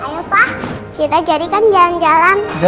ayo pak kita jadikan jalan jalan